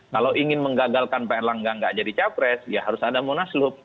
kalau ingin menggagalkan pak erlangga nggak jadi capres ya harus ada munaslup